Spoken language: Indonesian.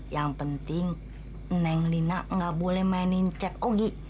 yang penting neng lina gak boleh mainin cap ogi